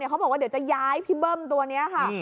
เขาบอกว่าเดี๋ยวจะย้ายพี่เบิ้มตัวนี้ค่ะ